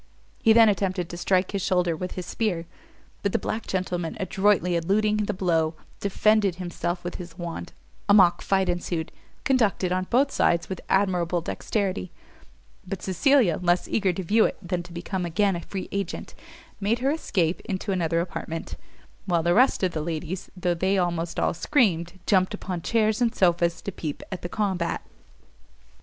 He then attempted to strike his shoulder with his spear, but the black gentleman, adroitly eluding the blow, defended himself with his wand: a mock fight ensued, conducted on both sides with admirable dexterity; but Cecilia, less eager to view it than to become again a free agent, made her escape into another apartment; while the rest of the ladies, though they almost all screamed, jumped upon chairs and sofas to peep at the combat.